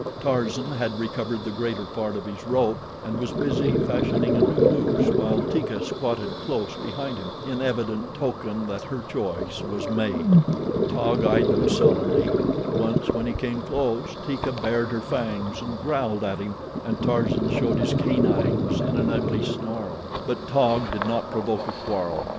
Tarzan had recovered the greater part of his rope and was busy fashioning a new noose, while Teeka squatted close behind him, in evident token that her choice was made. Taug eyed them sullenly. Once when he came close, Teeka bared her fangs and growled at him, and Tarzan showed his canines in an ugly snarl; but Taug did not provoke a quarrel.